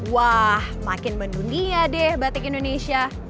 wah makin mendunia deh batik indonesia